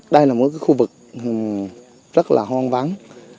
đây là một khu vực rất là hoang vắng